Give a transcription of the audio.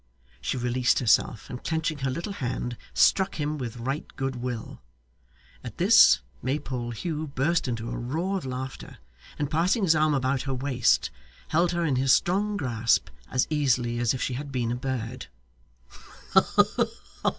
She released herself and clenching her little hand, struck him with right good will. At this, Maypole Hugh burst into a roar of laughter, and passing his arm about her waist, held her in his strong grasp as easily as if she had been a bird.